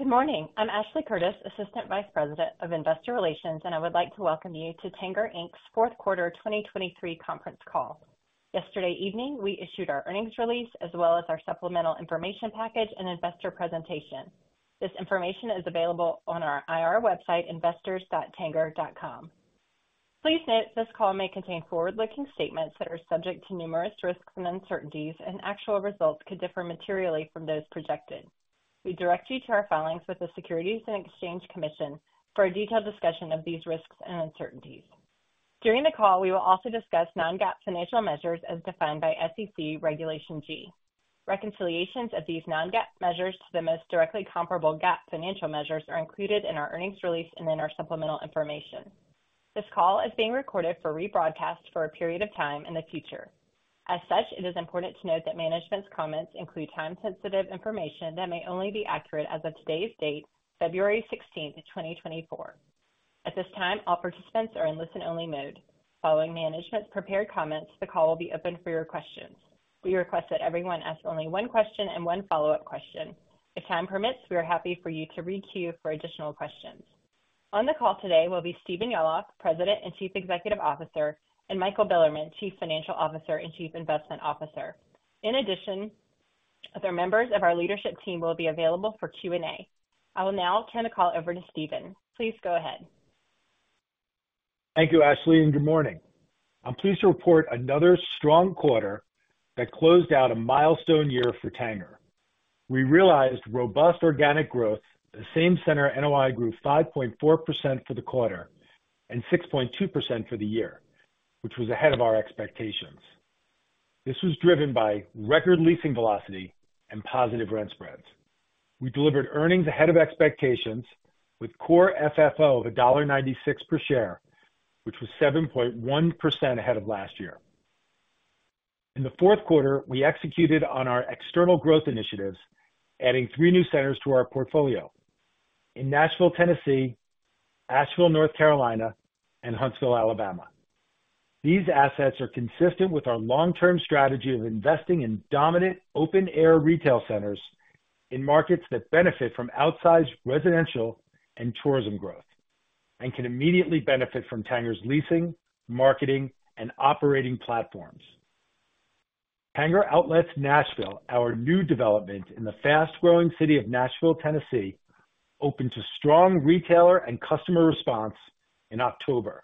Good morning. I'm Ashley Curtis, Assistant Vice President of Investor Relations, and I would like to welcome you to Tanger Inc.'s fourth quarter 2023 conference call. Yesterday evening we issued our earnings release as well as our Supplemental information package and investor presentation. This information is available on our IR website, investors.tanger.com. Please note this call may contain forward-looking statements that are subject to numerous risks and uncertainties, and actual results could differ materially from those projected. We direct you to our filings with the Securities and Exchange Commission for a detailed discussion of these risks and uncertainties. During the call we will also discuss non-GAAP financial measures as defined by SEC Regulation G. Reconciliations of these non-GAAP measures to the most directly comparable GAAP financial measures are included in our earnings release and in our Supplemental information. This call is being recorded for rebroadcast for a period of time in the future. As such, it is important to note that management's comments include time-sensitive information that may only be accurate as of today's date, February 16, 2024. At this time all participants are in listen-only mode. Following management's prepared comments the call will be open for your questions. We request that everyone ask only one question and one follow-up question. If time permits we are happy for you to re-queue for additional questions. On the call today will be Stephen Yalof, President and Chief Executive Officer, and Michael Bilerman, Chief Financial Officer and Chief Investment Officer. In addition, other members of our leadership team will be available for Q&A. I will now turn the call over to Stephen. Please go ahead. Thank you, Ashley, and good morning. I'm pleased to report another strong quarter that closed out a milestone year for Tanger. We realized robust organic growth, the same center NOI grew 5.4% for the quarter and 6.2% for the year, which was ahead of our expectations. This was driven by record leasing velocity and positive rent spreads. We delivered earnings ahead of expectations with core FFO of $1.96 per share, which was 7.1% ahead of last year. In the fourth quarter we executed on our external growth initiatives, adding three new centers to our portfolio: in Nashville, Tennessee, Asheville, North Carolina, and Huntsville, Alabama. These assets are consistent with our long-term strategy of investing in dominant open-air retail centers in markets that benefit from outsized residential and tourism growth, and can immediately benefit from Tanger's leasing, marketing, and operating platforms. Tanger Outlets Nashville, our new development in the fast-growing city of Nashville, Tennessee, opened to strong retailer and customer response in October.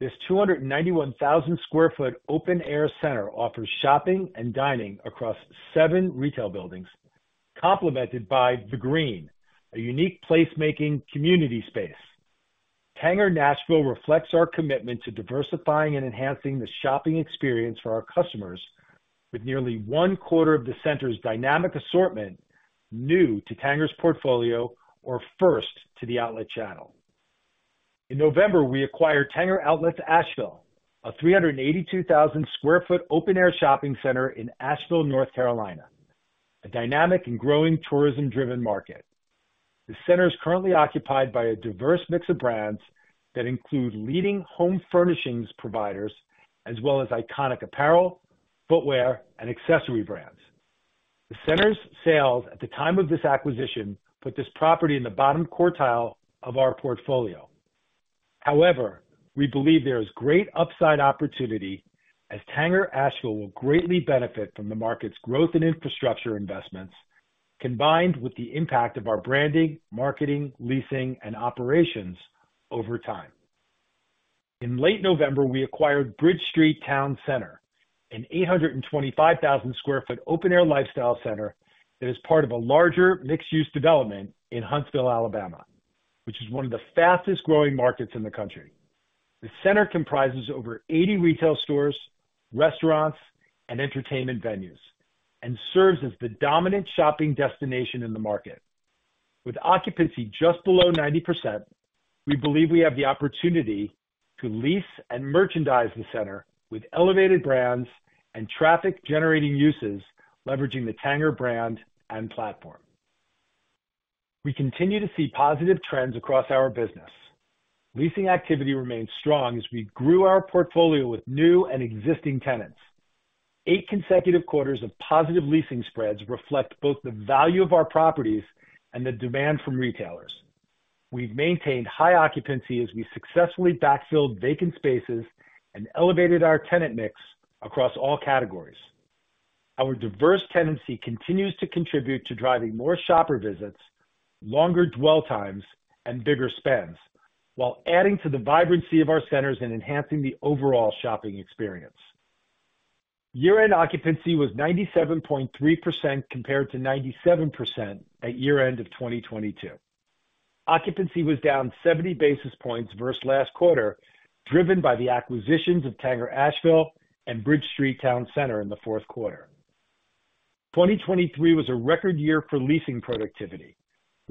This 291,000 sq ft open-air center offers shopping and dining across seven retail buildings, complemented by The Green, a unique place-making community space. Tanger Nashville reflects our commitment to diversifying and enhancing the shopping experience for our customers, with nearly one-quarter of the center's dynamic assortment new to Tanger's portfolio or first to the outlet channel. In November we acquired Tanger Outlets Asheville, a 382,000 sq ft open-air shopping center in Asheville, North Carolina, a dynamic and growing tourism-driven market. The center's sales at the time of this acquisition put this property in the bottom quartile of our portfolio. However, we believe there is great upside opportunity as Tanger Asheville will greatly benefit from the market's growth and infrastructure investments, combined with the impact of our branding, marketing, leasing, and operations over time. In late November we acquired Bridge Street Town Centre, an 825,000 sq ft open-air lifestyle center that is part of a larger mixed-use development in Huntsville, Alabama, which is one of the fastest-growing markets in the country. The center comprises over 80 retail stores, restaurants, and entertainment venues, and serves as the dominant shopping destination in the market. With occupancy just below 90%, we believe we have the opportunity to lease and merchandise the center with elevated brands and traffic-generating uses leveraging the Tanger brand and platform. We continue to see positive trends across our business. Leasing activity remains strong as we grew our portfolio with new and existing tenants. Eight consecutive quarters of positive leasing spreads reflect both the value of our properties and the demand from retailers. We've maintained high occupancy as we successfully backfilled vacant spaces and elevated our tenant mix across all categories. Our diverse tenancy continues to contribute to driving more shopper visits, longer dwell times, and bigger spends, while adding to the vibrancy of our centers and enhancing the overall shopping experience. Year-end occupancy was 97.3% compared to 97% at year-end of 2022. Occupancy was down 70 basis points versus last quarter, driven by the acquisitions of Tanger Asheville and Bridge Street Town Centre in the fourth quarter. 2023 was a record year for leasing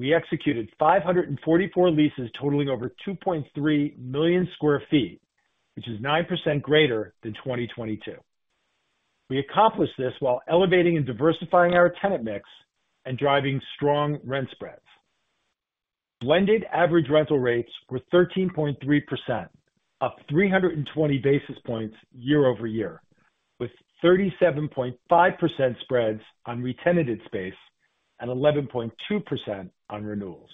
productivity. We executed 544 leases totaling over 2.3 million sq ft, which is 9% greater than 2022. We accomplished this while elevating and diversifying our tenant mix and driving strong rent spreads. Blended average rental rates were 13.3%, up 320 basis points year-over-year, with 37.5% spreads on re-tenanted space and 11.2% on renewals.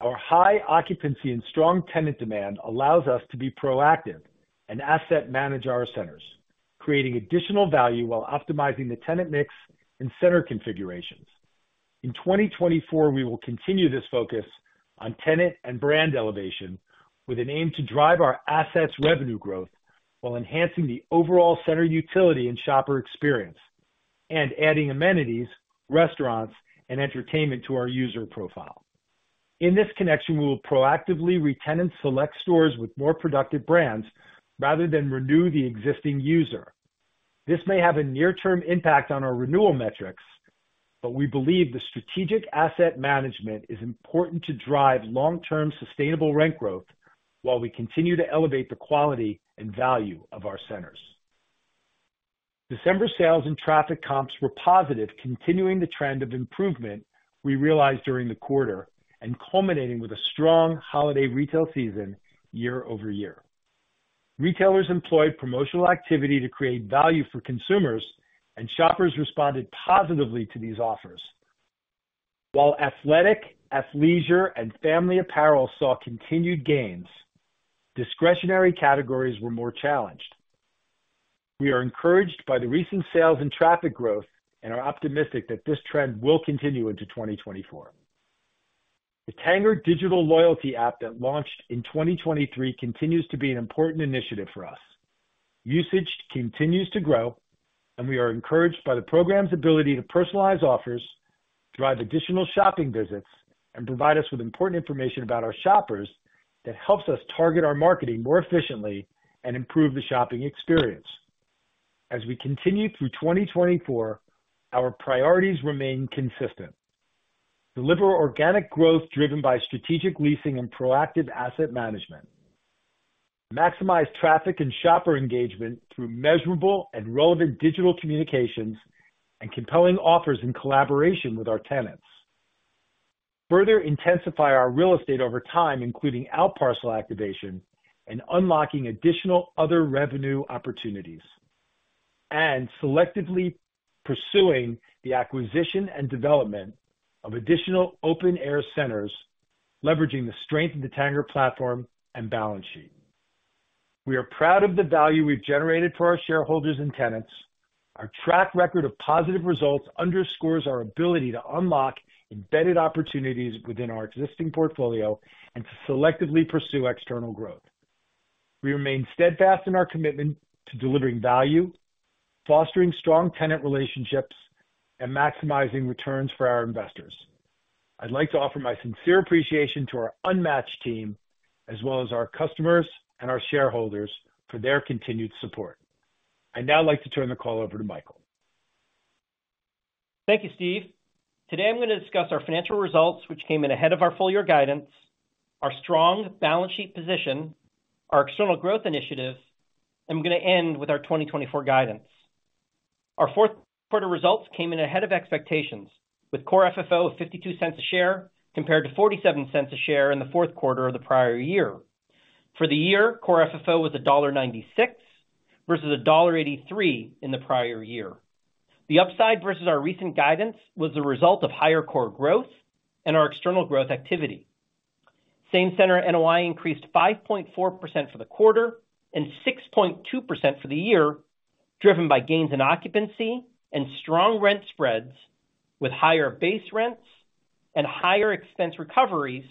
Our high occupancy and strong tenant demand allows us to be proactive and asset manage our centers, creating additional value while optimizing the tenant mix and center configurations. In 2024 we will continue this focus on tenant and brand elevation with an aim to drive our assets' revenue growth while enhancing the overall center utility and shopper experience, and adding amenities, restaurants, and entertainment to our user profile. In this connection we will proactively re-tenant and select stores with more productive brands rather than renew the existing user. This may have a near-term impact on our renewal metrics, but we believe the strategic asset management is important to drive long-term sustainable rent growth while we continue to elevate the quality and value of our centers. December sales and traffic comps were positive, continuing the trend of improvement we realized during the quarter and culminating with a strong holiday retail season year-over-year. Retailers employed promotional activity to create value for consumers, and shoppers responded positively to these offers. While athletic, athleisure, and family apparel saw continued gains, discretionary categories were more challenged. We are encouraged by the recent sales and traffic growth and are optimistic that this trend will continue into 2024. The Tanger Digital Loyalty App that launched in 2023 continues to be an important initiative for us. Usage continues to grow, and we are encouraged by the program's ability to personalize offers, drive additional shopping visits, and provide us with important information about our shoppers that helps us target our marketing more efficiently and improve the shopping experience. As we continue through 2024, our priorities remain consistent: deliver organic growth driven by strategic leasing and proactive asset management, maximize traffic and shopper engagement through measurable and relevant digital communications and compelling offers in collaboration with our tenants, further intensify our real estate over time, including out-parcel activation and unlocking additional other revenue opportunities, and selectively pursuing the acquisition and development of additional open-air centers, leveraging the strength of the Tanger platform and balance sheet. We are proud of the value we've generated for our shareholders and tenants. Our track record of positive results underscores our ability to unlock embedded opportunities within our existing portfolio and to selectively pursue external growth. We remain steadfast in our commitment to delivering value, fostering strong tenant relationships, and maximizing returns for our investors. I'd like to offer my sincere appreciation to our unmatched team, as well as our customers and our shareholders, for their continued support. I'd now like to turn the call over to Michael. Thank you, Steve. Today I'm going to discuss our financial results, which came in ahead of our full-year guidance, our strong balance sheet position, our external growth initiatives, and I'm going to end with our 2024 guidance. Our fourth quarter results came in ahead of expectations, with Core FFO of $0.52 a share compared to $0.47 a share in the fourth quarter of the prior year. For the year, Core FFO was $1.96 versus $1.83 in the prior year. The upside versus our recent guidance was the result of higher core growth and our external growth activity. Same Center NOI increased 5.4% for the quarter and 6.2% for the year, driven by gains in occupancy and strong rent spreads with higher base rents and higher expense recoveries,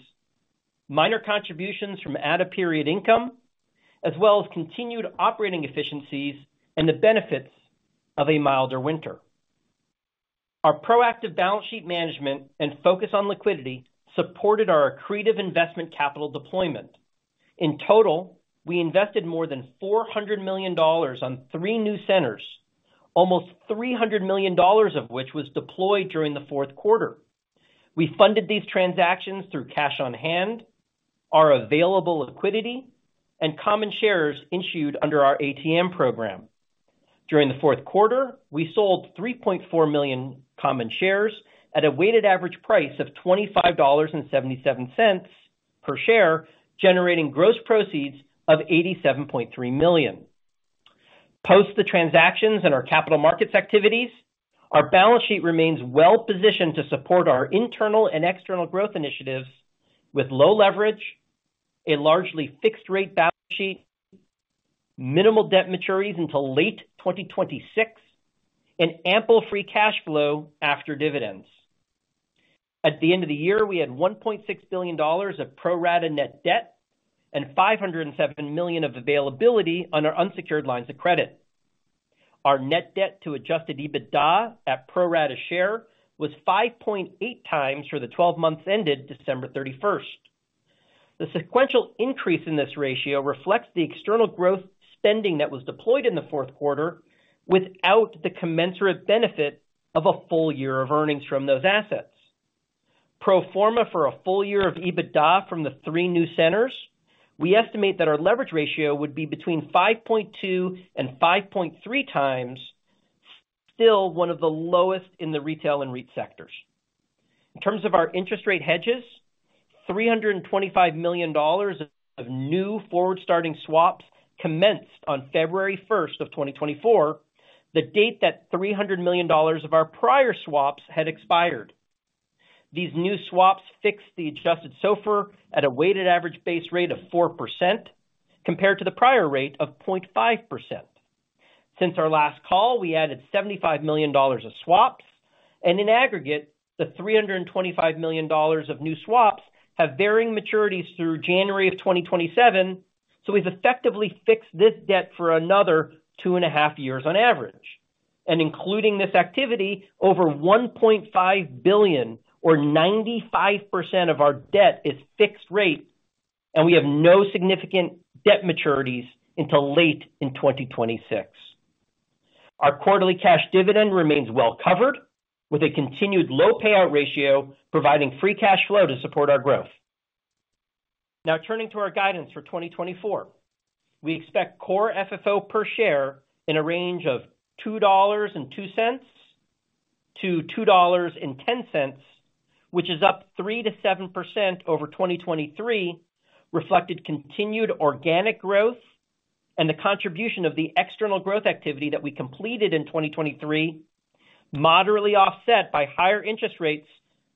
minor contributions from out-of-period income, as well as continued operating efficiencies and the benefits of a milder winter. Our proactive balance sheet management and focus on liquidity supported our accretive investment capital deployment. In total we invested more than $400 million on three new centers, almost $300 million of which was deployed during the fourth quarter. We funded these transactions through cash on hand, our available liquidity, and common shares issued under our ATM program. During the fourth quarter we sold 3.4 million common shares at a weighted average price of $25.77 per share, generating gross proceeds of $87.3 million. Post the transactions and our capital markets activities, our balance sheet remains well positioned to support our internal and external growth initiatives with low leverage, a largely fixed-rate balance sheet, minimal debt maturities until late 2026, and ample free cash flow after dividends. At the end of the year we had $1.6 billion of pro-rata net debt and $507 million of availability on our unsecured lines of credit. Our net debt to adjusted EBITDA at pro-rata share was 5.8x for the 12 months ended December 31st. The sequential increase in this ratio reflects the external growth spending that was deployed in the fourth quarter without the commensurate benefit of a full year of earnings from those assets. Pro forma for a full year of EBITDA from the three new centers, we estimate that our leverage ratio would be between 5.2x and 5.3x, still one of the lowest in the retail and REIT sectors. In terms of our interest rate hedges, $325 million of new forward-starting swaps commenced on February 1st of 2024, the date that $300 million of our prior swaps had expired. These new swaps fixed the adjusted SOFR at a weighted average base rate of 4% compared to the prior rate of 0.5%. Since our last call we added $75 million of swaps, and in aggregate the $325 million of new swaps have varying maturities through January of 2027, so we've effectively fixed this debt for another two and a half years on average. And including this activity, over $1.5 billion, or 95% of our debt is fixed rate, and we have no significant debt maturities until late in 2026. Our quarterly cash dividend remains well covered, with a continued low payout ratio providing free cash flow to support our growth. Now turning to our guidance for 2024. We expect core FFO per share in a range of $2.02-$2.10, which is up 3%-7% over 2023, reflected continued organic growth and the contribution of the external growth activity that we completed in 2023, moderately offset by higher interest rates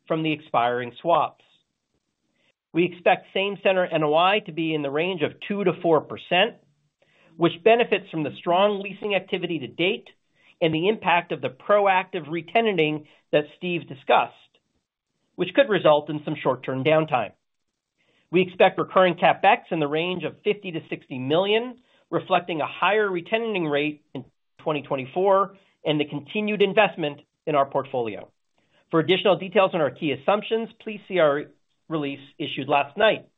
from the expiring swaps. We expect same center NOI to be in the range of 2%-4%, which benefits from the strong leasing activity to date and the impact of the proactive re-tenanting that Steve discussed, which could result in some short-term downtime. We expect recurring CapEx in the range of $50 million-$60 million, reflecting a higher re-tenanting rate in 2024 and the continued investment in our portfolio. For additional details on our key assumptions, please see our release issued last night.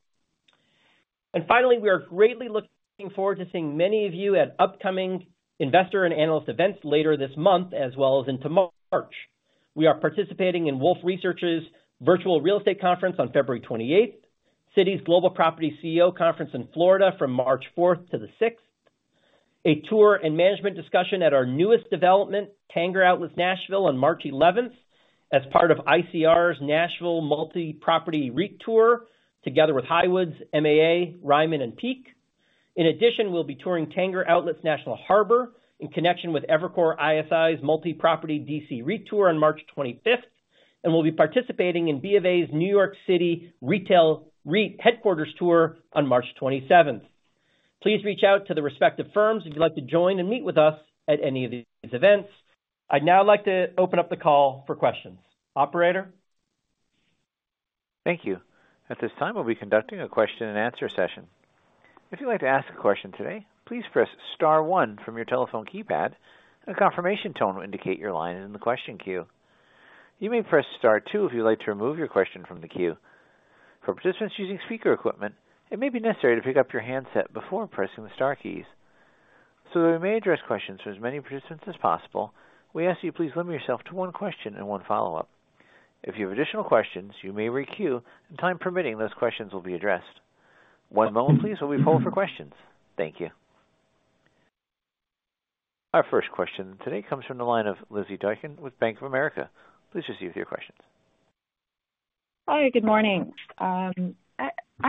Finally we are greatly looking forward to seeing many of you at upcoming investor and analyst events later this month, as well as into March. We are participating in Wolfe Research's virtual real estate conference on February 28th, Citi's Global Property CEO Conference in Florida from March 4th to the 6th, a tour and management discussion at our newest development, Tanger Outlets Nashville, on March 11th as part of ICR's Nashville Multi-Property REIT Tour together with Highwoods, MAA, Ryman, and Peak. In addition we'll be touring Tanger Outlets National Harbor in connection with Evercore ISI's Multi-Property DC REIT Tour on March 25th, and we'll be participating in B of A's New York City Retail REIT Headquarters Tour on March 27th. Please reach out to the respective firms if you'd like to join and meet with us at any of these events. I'd now like to open up the call for questions. Operator? Thank you. At this time we'll be conducting a question-and-answer session. If you'd like to ask a question today, please press star one from your telephone keypad, and a confirmation tone will indicate your line is in the question queue. You may press star two if you'd like to remove your question from the queue. For participants using speaker equipment, it may be necessary to pick up your handset before pressing the star keys. So that we may address questions from as many participants as possible, we ask that you please limit yourself to one question and one follow-up. If you have additional questions you may re-queue and time permitting those questions will be addressed. One moment please while we pull for questions. Thank you. Our first question today comes from the line of Lizzy Doykan with Bank of America. Please proceed with your questions. Hi, good morning. I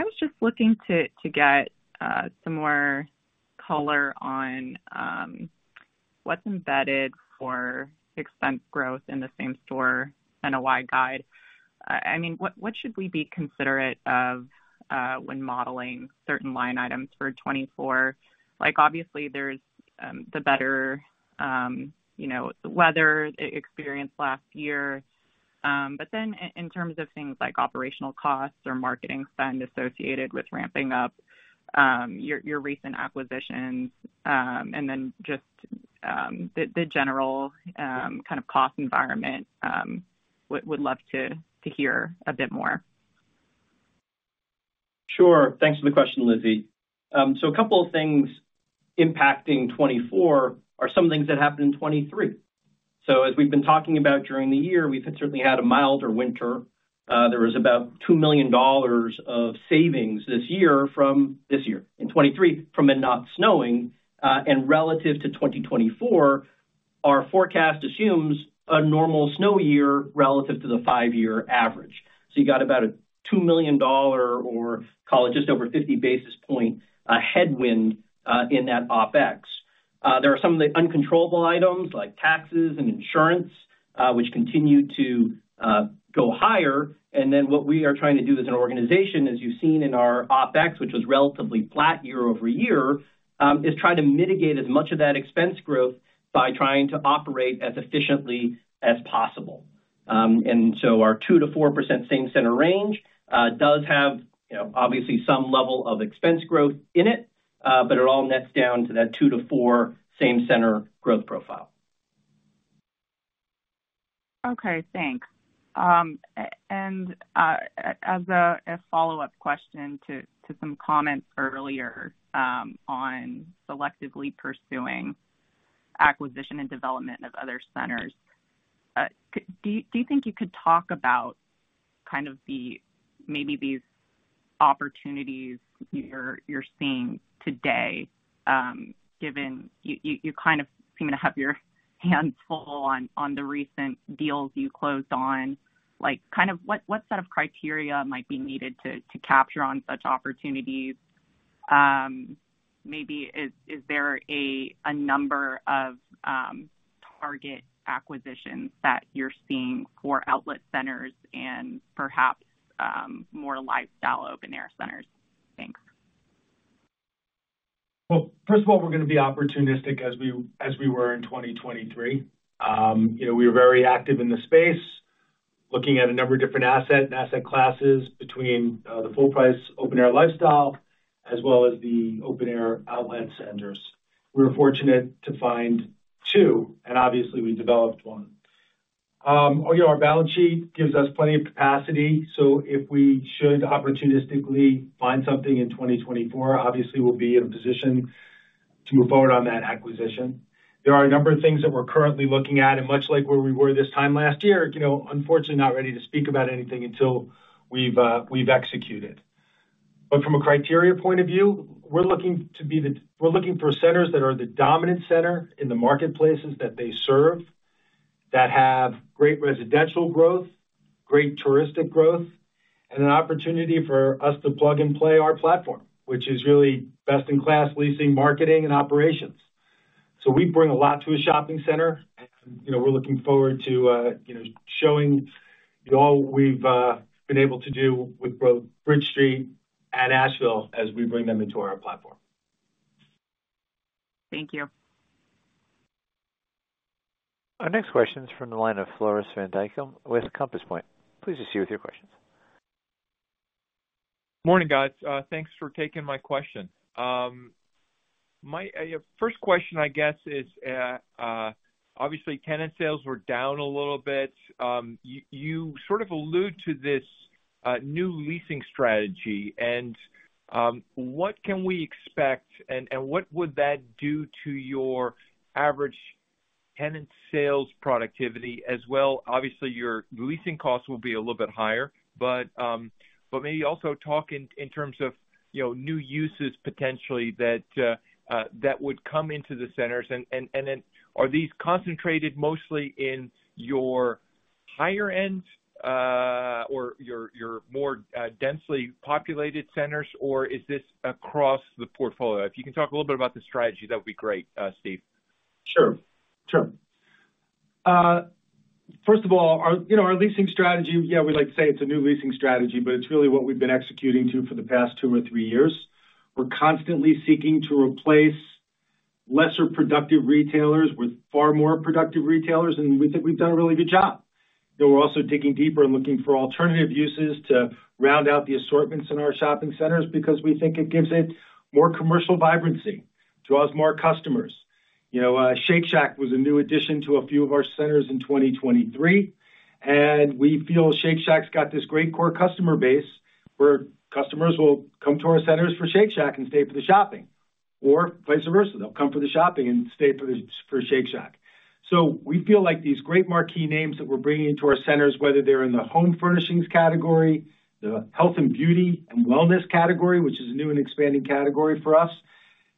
was just looking to get some more color on what's embedded for expense growth in the same-center NOI guide. I mean, what should we be considerate of when modeling certain line items for 2024? Obviously there's the better weather experience last year, but then in terms of things like operational costs or marketing spend associated with ramping up, your recent acquisitions, and then just the general kind of cost environment, would love to hear a bit more. Sure. Thanks for the question, Lizzy. So a couple of things impacting 2024 are some things that happened in 2023. So as we've been talking about during the year, we've certainly had a milder winter. There was about $2 million of savings this year from 2023 from it not snowing, and relative to 2024, our forecast assumes a normal snow year relative to the five-year average. So you got about a $2 million or call it just over 50 basis point headwind in that OpEx. There are some of the uncontrollable items like taxes and insurance, which continue to go higher, and then what we are trying to do as an organization, as you've seen in our OpEx, which was relatively flat year-over-year, is try to mitigate as much of that expense growth by trying to operate as efficiently as possible. And so our 2%-4% same center range does have obviously some level of expense growth in it, but it all nets down to that 2%-4% same center growth profile. Okay, thanks. And as a follow-up question to some comments earlier on selectively pursuing acquisition and development of other centers, do you think you could talk about kind of maybe these opportunities you're seeing today, given you kind of seem to have your hands full on the recent deals you closed on? Kind of what set of criteria might be needed to capture on such opportunities? Maybe is there a number of target acquisitions that you're seeing for outlet centers and perhaps more lifestyle open-air centers? Thanks. Well, first of all, we're going to be opportunistic as we were in 2023. We were very active in the space, looking at a number of different assets and asset classes between the full-price open-air lifestyle as well as the open-air outlet centers. We were fortunate to find two, and obviously we developed one. Our balance sheet gives us plenty of capacity, so if we should opportunistically find something in 2024, obviously we'll be in a position to move forward on that acquisition. There are a number of things that we're currently looking at, and much like where we were this time last year, unfortunately not ready to speak about anything until we've executed. From a criteria point of view, we're looking for centers that are the dominant center in the marketplaces that they serve, that have great residential growth, great touristic growth, and an opportunity for us to plug and play our platform, which is really best-in-class leasing, marketing, and operations. So we bring a lot to a shopping center, and we're looking forward to showing you all we've been able to do with both Bridge Street and Asheville as we bring them into our platform. Thank you. Our next question is from the line of Floris van Dijkum with Compass Point. Please proceed with your questions. Morning, guys. Thanks for taking my question. My first question, I guess, is obviously tenant sales were down a little bit. You sort of allude to this new leasing strategy, and what can we expect, and what would that do to your average tenant sales productivity as well? Obviously your leasing costs will be a little bit higher, but maybe also talk in terms of new uses potentially that would come into the centers. And then are these concentrated mostly in your higher-end or your more densely populated centers, or is this across the portfolio? If you can talk a little bit about the strategy that would be great, Steve. Sure. Sure. First of all, our leasing strategy, yeah, we like to say it's a new leasing strategy, but it's really what we've been executing to for the past two or three years. We're constantly seeking to replace lesser productive retailers with far more productive retailers, and we think we've done a really good job. We're also digging deeper and looking for alternative uses to round out the assortments in our shopping centers because we think it gives it more commercial vibrancy, draws more customers. Shake Shack was a new addition to a few of our centers in 2023, and we feel Shake Shack's got this great core customer base where customers will come to our centers for Shake Shack and stay for the shopping, or vice versa. They'll come for the shopping and stay for Shake Shack. So we feel like these great marquee names that we're bringing into our centers, whether they're in the home furnishings category, the health and beauty and wellness category, which is a new and expanding category for us,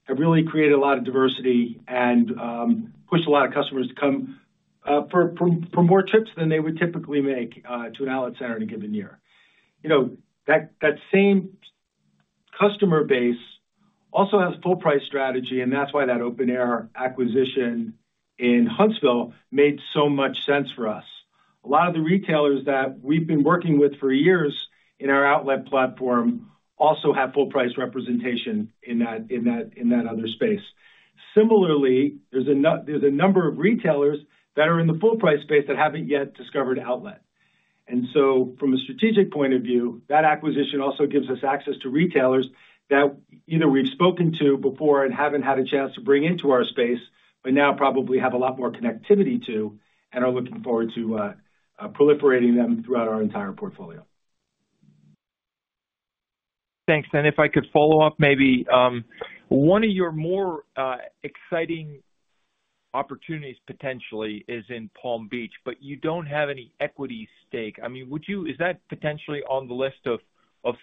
have really created a lot of diversity and pushed a lot of customers to come for more trips than they would typically make to an outlet center in a given year. That same customer base also has full-price strategy, and that's why that open-air acquisition in Huntsville made so much sense for us. A lot of the retailers that we've been working with for years in our outlet platform also have full-price representation in that other space. Similarly, there's a number of retailers that are in the full-price space that haven't yet discovered outlet. And so from a strategic point of view, that acquisition also gives us access to retailers that either we've spoken to before and haven't had a chance to bring into our space, but now probably have a lot more connectivity to and are looking forward to proliferating them throughout our entire portfolio. Thanks. And if I could follow up maybe, one of your more exciting opportunities potentially is in Palm Beach, but you don't have any equity stake. I mean, is that potentially on the list of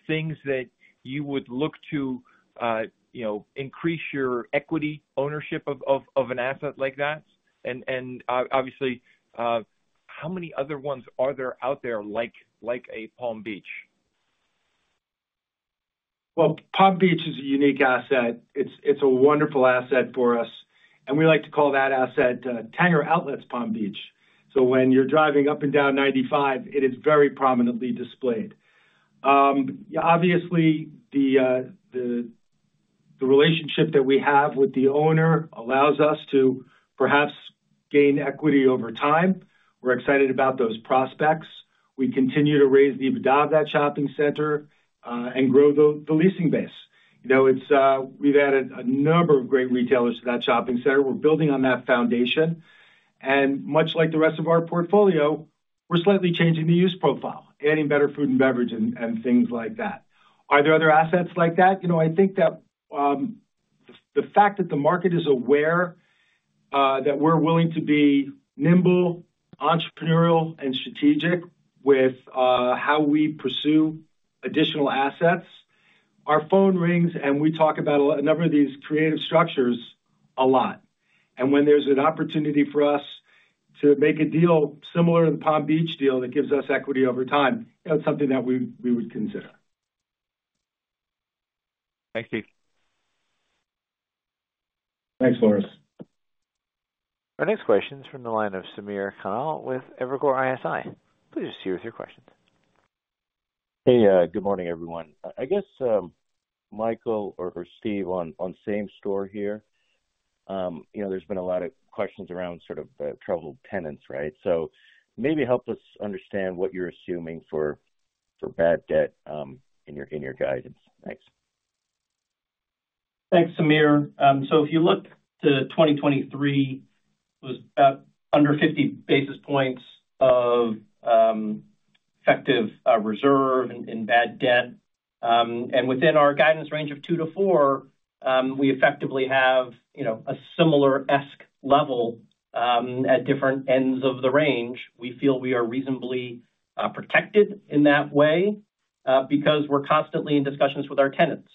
things that you would look to increase your equity ownership of an asset like that? And obviously, how many other ones are there out there like a Palm Beach? Well, Palm Beach is a unique asset. It's a wonderful asset for us, and we like to call that asset Tanger Outlets Palm Beach. So when you're driving up and down 95, it is very prominently displayed. Obviously, the relationship that we have with the owner allows us to perhaps gain equity over time. We're excited about those prospects. We continue to raise the ABR of that shopping center and grow the leasing base. We've added a number of great retailers to that shopping center. We're building on that foundation. And much like the rest of our portfolio, we're slightly changing the use profile, adding better food and beverage and things like that. Are there other assets like that? I think that the fact that the market is aware that we're willing to be nimble, entrepreneurial, and strategic with how we pursue additional assets, our phone rings and we talk about a number of these creative structures a lot. And when there's an opportunity for us to make a deal similar to the Palm Beach deal that gives us equity over time, it's something that we would consider. Thanks, Steve. Thanks, Floris. Our next question is from the line of Samir Khanal with Evercore ISI. Please proceed with your questions. Hey, good morning, everyone. I guess Michael or Steve on same store here. There's been a lot of questions around sort of the troubled tenants, right? So maybe help us understand what you're assuming for bad debt in your guidance. Thanks. Thanks, Samir. If you look to 2023, it was about under 50 basis points of effective reserve in bad debt. Within our guidance range of 2-4, we effectively have a similar-esque level at different ends of the range. We feel we are reasonably protected in that way because we're constantly in discussions with our tenants.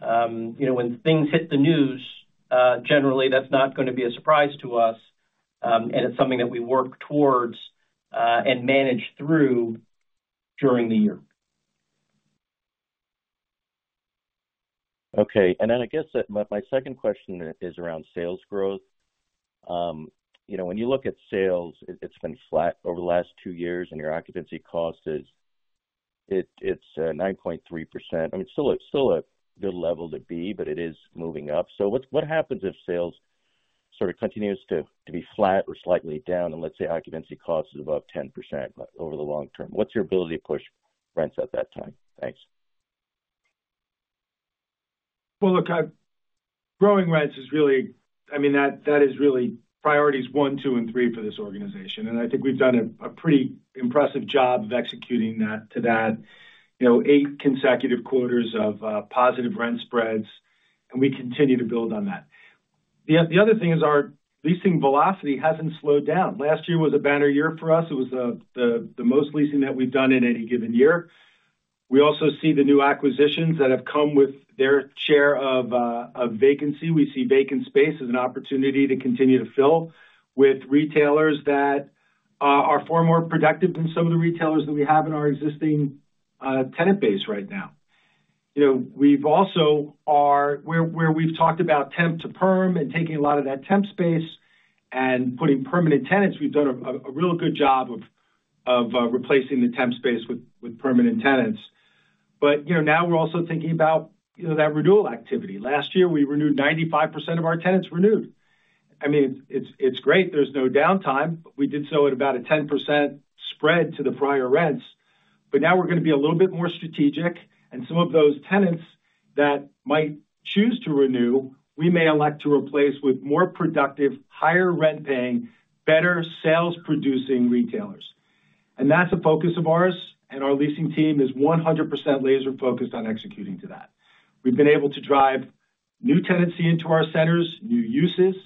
When things hit the news, generally that's not going to be a surprise to us, and it's something that we work towards and manage through during the year. Okay. I guess my second question is around sales growth. When you look at sales, it's been flat over the last two years, and your occupancy cost is 9.3%. I mean, it's still a good level to be, but it is moving up. What happens if sales sort of continues to be flat or slightly down and let's say occupancy cost is above 10% over the long term? What's your ability to push rents at that time? Thanks. Well, look, growing rents is really—I mean, that is really priorities one, two, and three for this organization, and I think we've done a pretty impressive job of executing to that, eight consecutive quarters of positive rent spreads, and we continue to build on that. The other thing is our leasing velocity hasn't slowed down. Last year was a banner year for us. It was the most leasing that we've done in any given year. We also see the new acquisitions that have come with their share of vacancy. We see vacant space as an opportunity to continue to fill with retailers that are far more productive than some of the retailers that we have in our existing tenant base right now. We've also, where we've talked about temp to perm and taking a lot of that temp space and putting permanent tenants, we've done a real good job of replacing the temp space with permanent tenants. But now we're also thinking about that renewal activity. Last year we renewed 95% of our tenants renewed. I mean, it's great. There's no downtime. We did so at about a 10% spread to the prior rents, but now we're going to be a little bit more strategic, and some of those tenants that might choose to renew, we may elect to replace with more productive, higher rent-paying, better sales-producing retailers. And that's a focus of ours, and our leasing team is 100% laser-focused on executing to that. We've been able to drive new tenancy into our centers, new uses,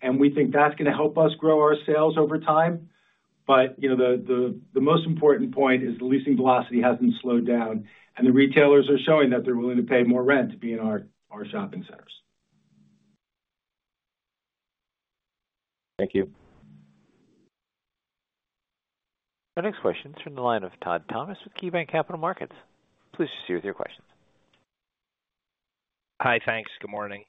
and we think that's going to help us grow our sales over time. The most important point is the leasing velocity hasn't slowed down, and the retailers are showing that they're willing to pay more rent to be in our shopping centers. Thank you. Our next question is from the line of Todd Thomas with KeyBanc Capital Markets. Please proceed with your questions. Hi, thanks. Good morning.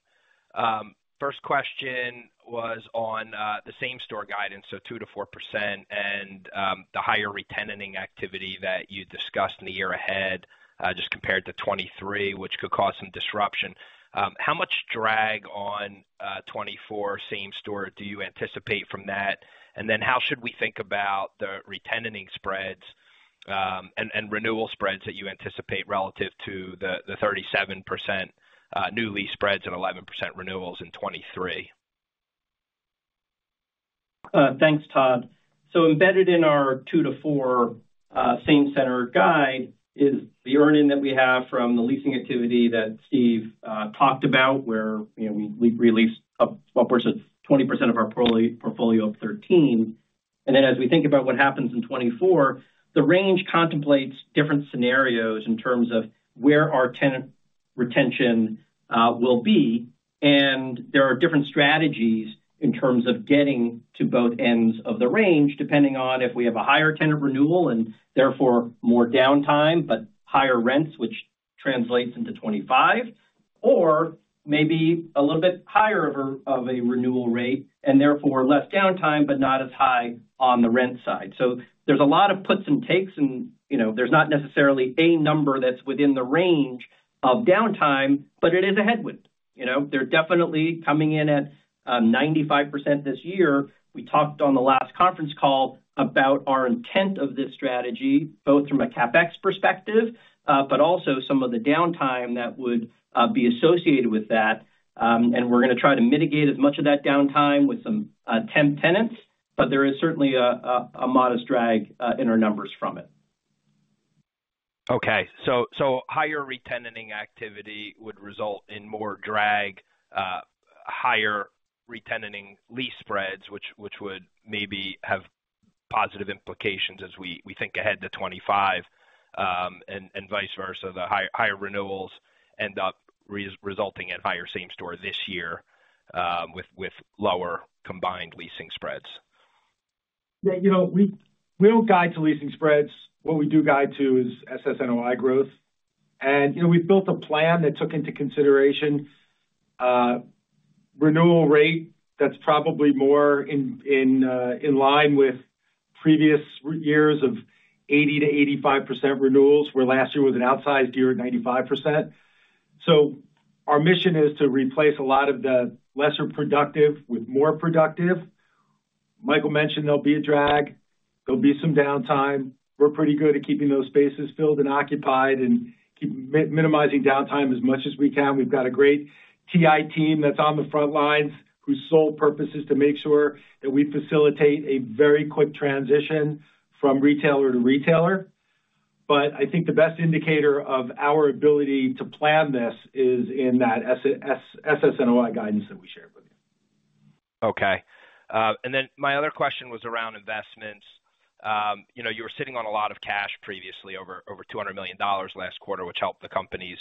First question was on the same-store guidance, so 2%-4%, and the higher retention activity that you discussed in the year ahead just compared to 2023, which could cause some disruption. How much drag on 2024 same-store do you anticipate from that? And then how should we think about the retention spreads and renewal spreads that you anticipate relative to the 37% new lease spreads and 11% renewals in 2023? Thanks, Todd. So embedded in our 2-4 same-center guide is the earnings that we have from the leasing activity that Steve talked about where we re-leased upwards of 20% of our portfolio of 2013. And then as we think about what happens in 2024, the range contemplates different scenarios in terms of where our tenant retention will be, and there are different strategies in terms of getting to both ends of the range depending on if we have a higher tenant renewal and therefore more downtime but higher rents, which translates into 2025, or maybe a little bit higher of a renewal rate and therefore less downtime but not as high on the rent side. So there's a lot of puts and takes, and there's not necessarily a number that's within the range of downtime, but it is a headwind. They're definitely coming in at 95% this year. We talked on the last conference call about our intent of this strategy both from a CapEx perspective but also some of the downtime that would be associated with that, and we're going to try to mitigate as much of that downtime with some temp tenants, but there is certainly a modest drag in our numbers from it. Okay. So higher retention activity would result in more drag, higher retention lease spreads, which would maybe have positive implications as we think ahead to 2025 and vice versa. The higher renewals end up resulting in higher same-store this year with lower combined leasing spreads. Yeah. We don't guide to leasing spreads. What we do guide to is SSNOI growth. We've built a plan that took into consideration renewal rate that's probably more in line with previous years of 80%-85% renewals where last year was an outsized year at 95%. Our mission is to replace a lot of the lesser productive with more productive. Michael mentioned there'll be a drag. There'll be some downtime. We're pretty good at keeping those spaces filled and occupied and minimizing downtime as much as we can. We've got a great TI team that's on the front lines whose sole purpose is to make sure that we facilitate a very quick transition from retailer to retailer. I think the best indicator of our ability to plan this is in that SSNOI guidance that we shared with you. Okay. Then my other question was around investments. You were sitting on a lot of cash previously over $200 million last quarter, which helped the company's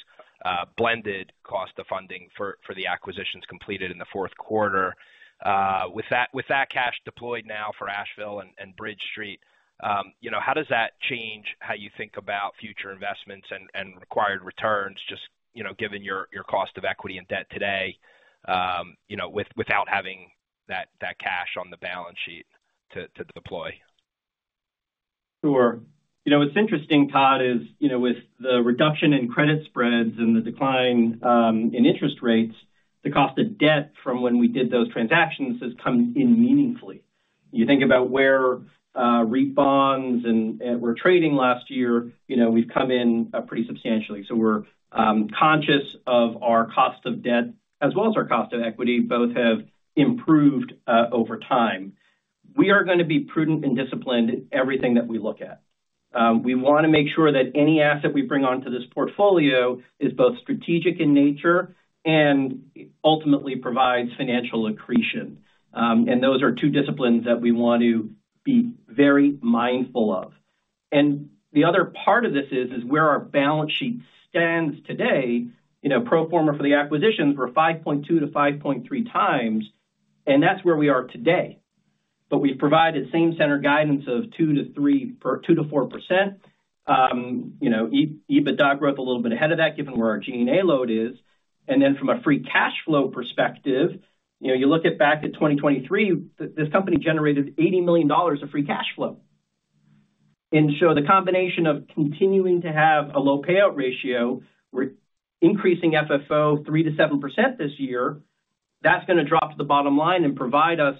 blended cost of funding for the acquisitions completed in the fourth quarter. With that cash deployed now for Asheville and Bridge Street, how does that change how you think about future investments and required returns just given your cost of equity and debt today without having that cash on the balance sheet to deploy? Sure. What's interesting, Todd, is with the reduction in credit spreads and the decline in interest rates, the cost of debt from when we did those transactions has come in meaningfully. You think about where REIT bonds and we're trading last year, we've come in pretty substantially. So we're conscious of our cost of debt as well as our cost of equity. Both have improved over time. We are going to be prudent and disciplined in everything that we look at. We want to make sure that any asset we bring onto this portfolio is both strategic in nature and ultimately provides financial accretion. And those are two disciplines that we want to be very mindful of. And the other part of this is where our balance sheet stands today. Pro forma for the acquisitions, we're 5.2-5.3 times, and that's where we are today. But we've provided same-center guidance of 2%-4%, EBITDA growth a little bit ahead of that given where our G&A load is. And then from a free cash flow perspective, you look back at 2023, this company generated $80 million of free cash flow. And so the combination of continuing to have a low payout ratio, we're increasing FFO 3%-7% this year. That's going to drop to the bottom line and provide us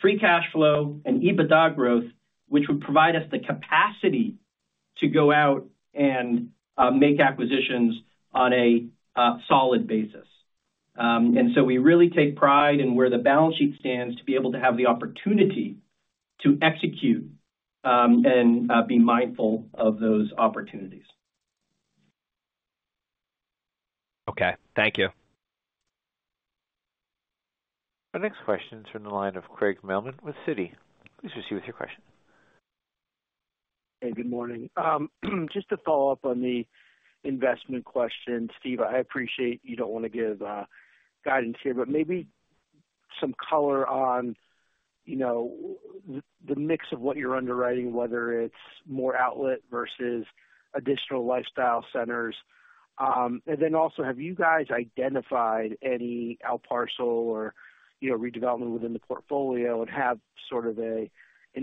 free cash flow and EBITDA growth, which would provide us the capacity to go out and make acquisitions on a solid basis. And so we really take pride in where the balance sheet stands to be able to have the opportunity to execute and be mindful of those opportunities. Okay. Thank you. Our next question is from the line of Craig Mailman with Citi. Please proceed with your question. Hey, good morning. Just to follow up on the investment question, Steve, I appreciate you don't want to give guidance here, but maybe some color on the mix of what you're underwriting, whether it's more outlet versus additional lifestyle centers. And then also, have you guys identified any outparcel or redevelopment within the portfolio and have sort of an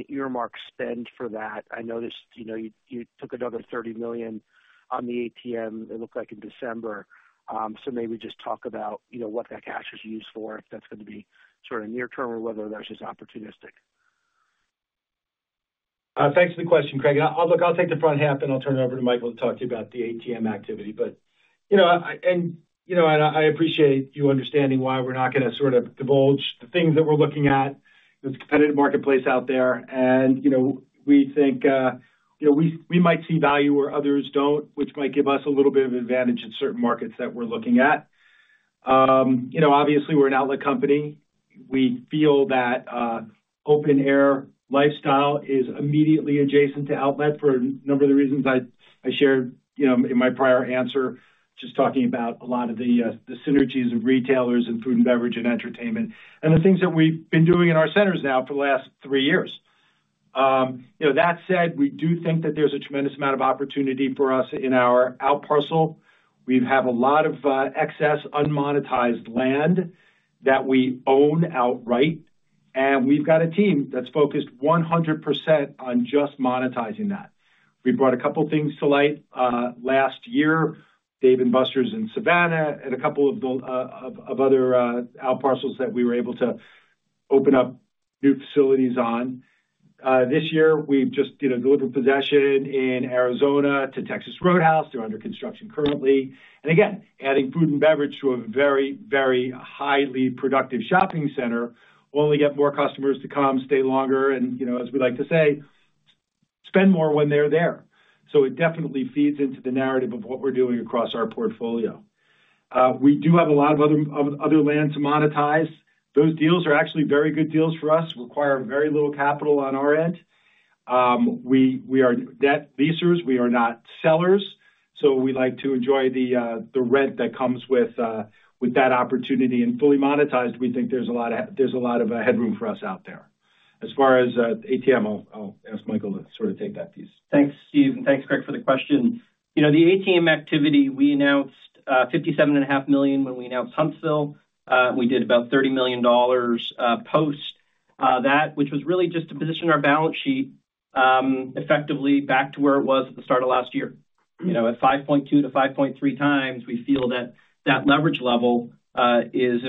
earmark spend for that? I noticed you took another $30 million on the ATM, it looked like, in December. So maybe just talk about what that cash is used for, if that's going to be sort of near-term or whether that's just opportunistic. Thanks for the question, Craig. Look, I'll take the front half and I'll turn it over to Michael to talk to you about the ATM activity. I appreciate you understanding why we're not going to sort of divulge the things that we're looking at. There's competitive marketplace out there, and we think we might see value where others don't, which might give us a little bit of advantage in certain markets that we're looking at. Obviously, we're an outlet company. We feel that open-air lifestyle is immediately adjacent to outlet for a number of the reasons I shared in my prior answer just talking about a lot of the synergies of retailers and food and beverage and entertainment and the things that we've been doing in our centers now for the last three years. That said, we do think that there's a tremendous amount of opportunity for us in our outparcel. We have a lot of excess unmonetized land that we own outright, and we've got a team that's focused 100% on just monetizing that. We brought a couple of things to light last year, Dave & Buster's in Savannah and a couple of other outparcels that we were able to open up new facilities on. This year, we've just delivered possession in Arizona to Texas Roadhouse. They're under construction currently. Again, adding food and beverage to a very, very highly productive shopping center will only get more customers to come, stay longer, and as we like to say, spend more when they're there. So it definitely feeds into the narrative of what we're doing across our portfolio. We do have a lot of other land to monetize. Those deals are actually very good deals for us, require very little capital on our end. We are debt leasers. We are not sellers. So we like to enjoy the rent that comes with that opportunity. And fully monetized, we think there's a lot of there's a lot of headroom for us out there. As far as ATM, I'll ask Michael to sort of take that piece. Thanks, Steve, and thanks, Craig, for the question. The ATM activity, we announced $57.5 million when we announced Huntsville. We did about $30 million post that, which was really just to position our balance sheet effectively back to where it was at the start of last year. At 5.2-5.3 times, we feel that that leverage level is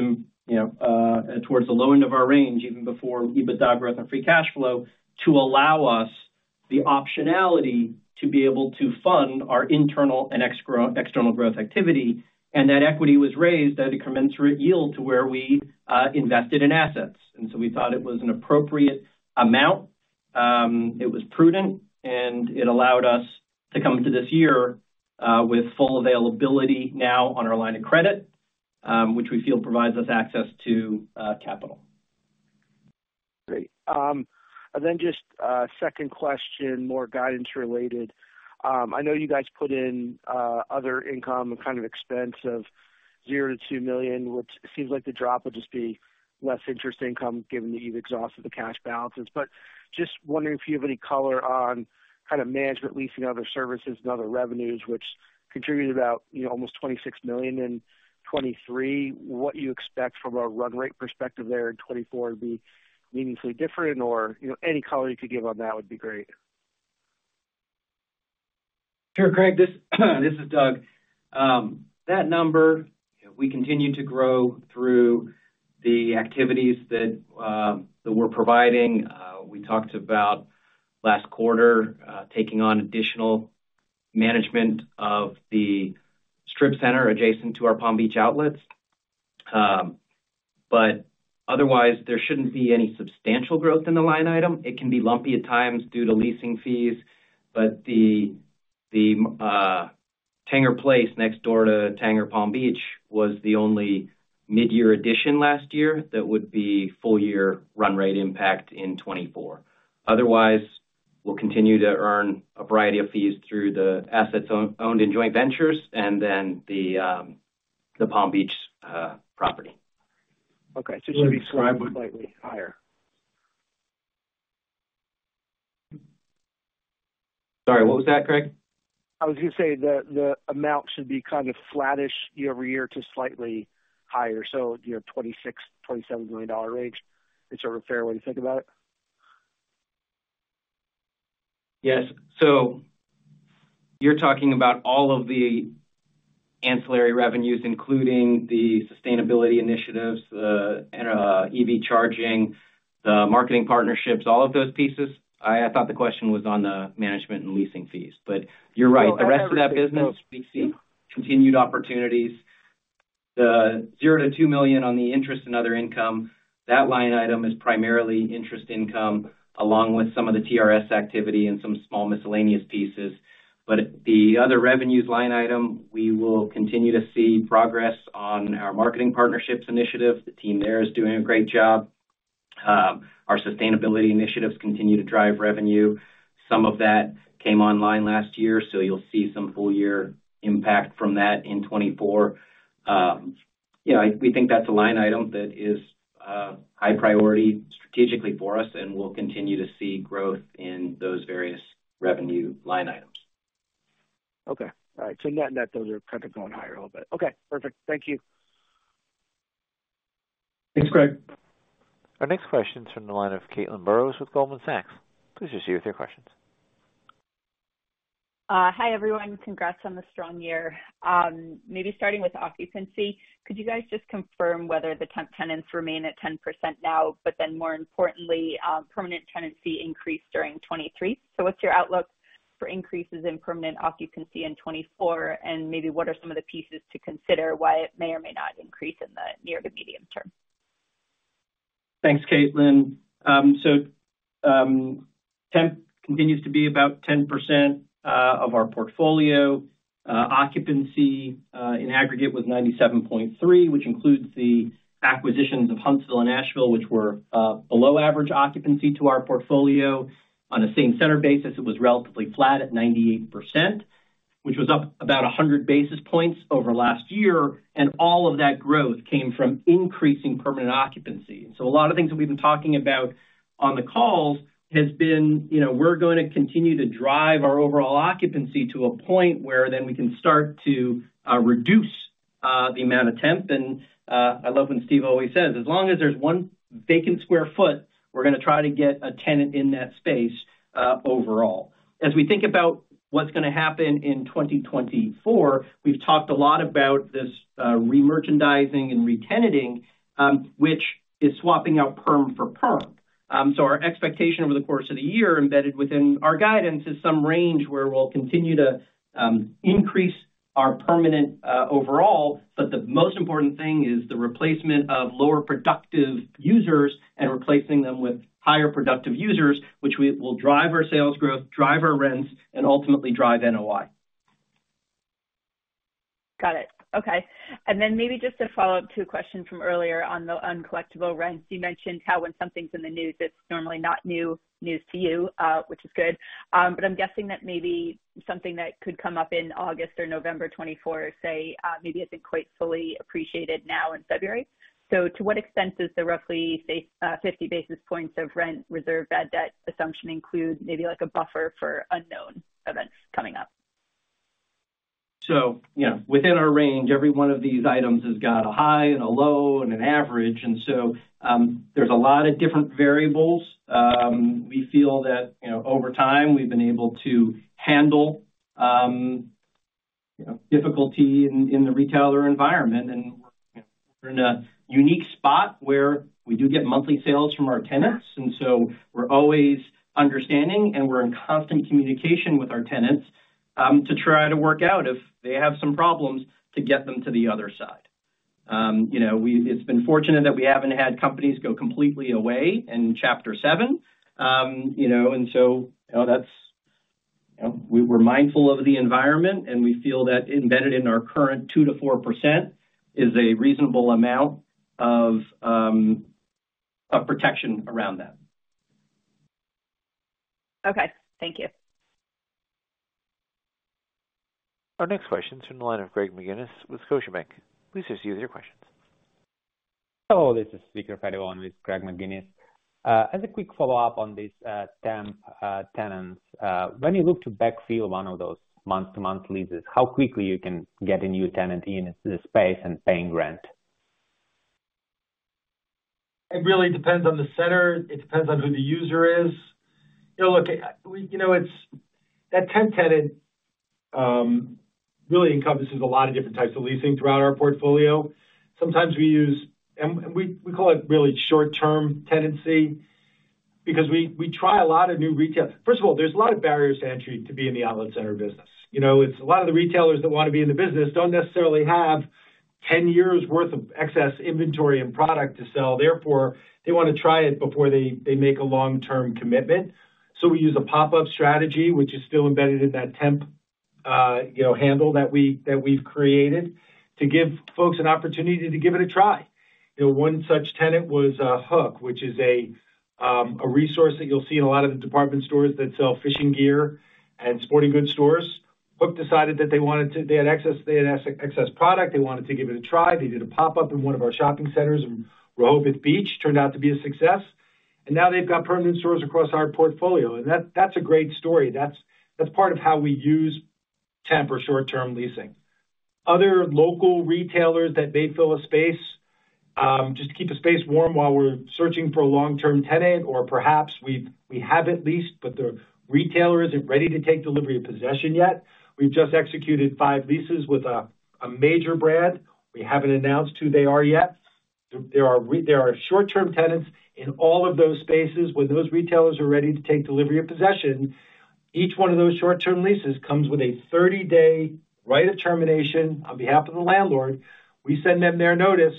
towards the low end of our range even before EBITDA growth and free cash flow to allow us the optionality to be able to fund our internal and external growth activity. And that equity was raised at a commensurate yield to where we invested in assets. And so we thought it was an appropriate amount. It was prudent, and it allowed us to come into this year with full availability now on our line of credit, which we feel provides us access to capital. Great. Then just second question, more guidance-related. I know you guys put in other income and kind of expense of $0-$2 million, which seems like the drop would just be less interest income given that you've exhausted the cash balances. But just wondering if you have any color on kind of management leasing and other services and other revenues, which contributed about almost $26 million in 2023, what you expect from a run-rate perspective there in 2024 would be meaningfully different, or any color you could give on that would be great. Sure, Craig. This is Doug. That number, we continue to grow through the activities that we're providing. We talked about last quarter taking on additional management of the strip center adjacent to our Palm Beach outlets. But otherwise, there shouldn't be any substantial growth in the line item. It can be lumpy at times due to leasing fees, but the Tanger Place next door to Tanger Palm Beach was the only mid-year addition last year that would be full-year run-rate impact in 2024. Otherwise, we'll continue to earn a variety of fees through the assets owned in joint ventures and then the Palm Beach property. Okay. It should be slightly higher. Sorry. What was that, Craig? I was going to say the amount should be kind of flattish year-over-year to slightly higher. So $26-$27 million range. Is that a fair way to think about it? Yes. So you're talking about all of the ancillary revenues, including the sustainability initiatives, the EV charging, the marketing partnerships, all of those pieces. I thought the question was on the management and leasing fees. But you're right. The rest of that business, we see continued opportunities. The $0-$2 million on the interest and other income, that line item is primarily interest income along with some of the TRS activity and some small miscellaneous pieces. But the other revenues line item, we will continue to see progress on our marketing partnerships initiative. The team there is doing a great job. Our sustainability initiatives continue to drive revenue. Some of that came online last year, so you'll see some full-year impact from that in 2024. We think that's a line item that is high priority strategically for us, and we'll continue to see growth in those various revenue line items. Okay. All right. Net-net, those are kind of going higher a little bit. Okay. Perfect. Thank you. Thanks, Craig. Our next question is from the line of Caitlin Burrows with Goldman Sachs. Please just share with your questions. Hi, everyone. Congrats on the strong year. Maybe starting with occupancy, could you guys just confirm whether the temp tenants remain at 10% now, but then more importantly, permanent tenancy increase during 2023? So what's your outlook for increases in permanent occupancy in 2024, and maybe what are some of the pieces to consider why it may or may not increase in the near to medium term? Thanks, Caitlin. So temp continues to be about 10% of our portfolio. Occupancy in aggregate was 97.3%, which includes the acquisitions of Huntsville and Asheville, which were below average occupancy to our portfolio. On a same-center basis, it was relatively flat at 98%, which was up about 100 basis points over last year. And all of that growth came from increasing permanent occupancy. And so a lot of things that we've been talking about on the calls has been we're going to continue to drive our overall occupancy to a point where then we can start to reduce the amount of temp. I love when Steve always says, "As long as there's one vacant square foot, we're going to try to get a tenant in that space overall." As we think about what's going to happen in 2024, we've talked a lot about this remerchandising and re-tenanting, which is swapping out perm for perm. Our expectation over the course of the year embedded within our guidance is some range where we'll continue to increase our permanent overall, but the most important thing is the replacement of lower productive users and replacing them with higher productive users, which will drive our sales growth, drive our rents, and ultimately drive NOI. Got it. Okay. And then maybe just to follow up to a question from earlier on the uncollectible rents, you mentioned how when something's in the news, it's normally not new news to you, which is good. But I'm guessing that maybe something that could come up in August or November 2024, say, maybe isn't quite fully appreciated now in February. So to what extent does the roughly 50 basis points of rent reserve bad debt assumption include maybe a buffer for unknown events coming up? So within our range, every one of these items has got a high and a low and an average. And so there's a lot of different variables. We feel that over time, we've been able to handle difficulty in the retail environment, and we're in a unique spot where we do get monthly sales from our tenants. And so we're always understanding, and we're in constant communication with our tenants to try to work out if they have some problems to get them to the other side. It's been fortunate that we haven't had companies go completely away in Chapter 7. And so we're mindful of the environment, and we feel that embedded in our current 2%-4% is a reasonable amount of protection around that. Okay. Thank you. Our next question is from the line of Greg McGinnis with Scotiabank. Please just use your questions. Hello. This Peter on for Greg McGinnis. As a quick follow-up on these temp tenants, when you look to backfill one of those month-to-month leases, how quickly you can get a new tenant in the space and paying rent? It really depends on the center. It depends on who the user is. Look, that temp tenant really encompasses a lot of different types of leasing throughout our portfolio. Sometimes we use and we call it really short-term tenancy because we try a lot of new retailers. First of all, there's a lot of barriers to entry to be in the outlet center business. A lot of the retailers that want to be in the business don't necessarily have 10 years' worth of excess inventory and product to sell. Therefore, they want to try it before they make a long-term commitment. So we use a pop-up strategy, which is still embedded in that temp handle that we've created, to give folks an opportunity to give it a try. One such tenant was Huk, which is a retailer that you'll see in a lot of the department stores that sell fishing gear and sporting goods stores. Huk decided that they wanted to. They had excess product. They wanted to give it a try. They did a pop-up in one of our shopping centers in Rehoboth Beach. Turned out to be a success. Now they've got permanent stores across our portfolio. That's a great story. That's part of how we use temp or short-term leasing. Other local retailers that may fill a space just to keep a space warm while we're searching for a long-term tenant, or perhaps we have a lease, but the retailer isn't ready to take delivery of possession yet. We've just executed five leases with a major brand. We haven't announced who they are yet. There are short-term tenants in all of those spaces. When those retailers are ready to take delivery of possession, each one of those short-term leases comes with a 30-day right of termination on behalf of the landlord. We send them their notice,